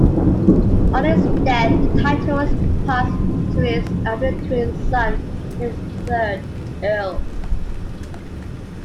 On his death the titles passed to his eldest twin son, the third Earl.